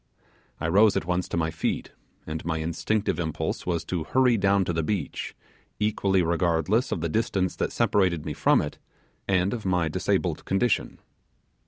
I rose at once to my feet, and my instinctive impulse was to hurry down to the beach, equally regardless of the distance that separated me from it, and of my disabled condition.